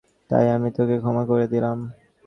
তাই আমি তোকে ক্ষমা করে দিলাম।